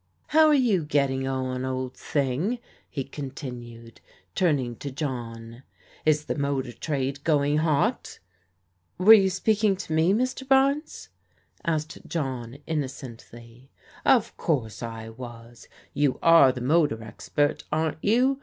" How are you getting on, old thing?" he continued, turning to John. " Is the motor trade going hot? "" Were you speaking to me, Mr. Barnes? " asked John innocently, " Of course I was. You are the motor expert, aren't you?